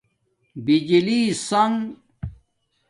بجلی سݳنݣ